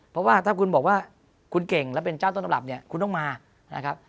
เพราะว่าถ้าคุณบอกว่าคุณเก่งและเป็นเจ้าต้นตำรับเนี่ยคุณต้องมานะครับ